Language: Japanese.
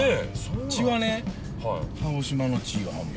血はね鹿児島の血半分。